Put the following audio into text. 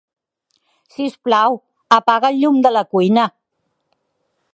Sisplau, apaga el llum de la cuina.